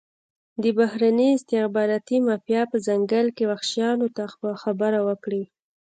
د بهرني استخباراتي مافیا په ځنګل کې وحشیانو ته خبره وکړي.